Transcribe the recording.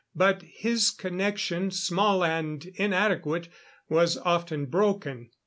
But his connection small and inadequate was often broken.